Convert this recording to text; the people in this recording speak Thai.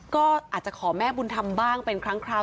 ก็อาจจะขอแม่บุญธรรมบ้างเป็นครั้งคราว